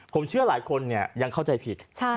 ผมเชื่อหลายคนยังเข้าใจผิด